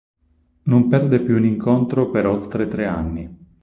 Non perde più un incontro per oltre tre anni.